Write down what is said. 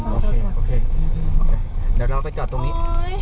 โอเคโอเคเดี๋ยวเราไปจอดตรงนี้